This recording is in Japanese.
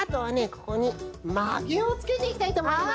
ここにマゲをつけていきたいとおもいます。